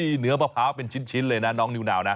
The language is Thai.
มีเนื้อมะพร้าวเป็นชิ้นเลยนะน้องนิวนาวนะ